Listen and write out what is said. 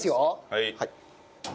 はい。